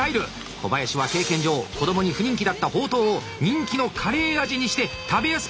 小林は経験上子どもに不人気だったほうとうを人気のカレー味にして食べやすく改良してきました。